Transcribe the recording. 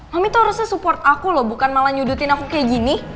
homi tuh harusnya support aku loh bukan malah nyudutin aku kayak gini